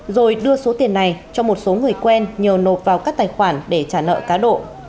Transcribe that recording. rồi đưa số tiền này cho một số người quen nhờ nộp vào các tài khoản để trả nợ cá độ